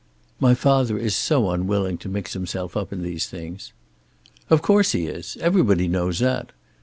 "My father is so unwilling to mix himself up in these things." "Of course he is. Everybody knows that.